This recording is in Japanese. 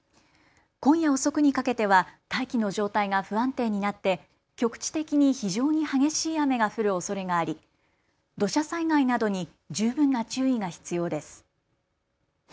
今夜遅くにかけては大気の状態が不安定になって局地的に非常に激しい雨が降るおそれがあり土砂災害などに十分な注意が必要です。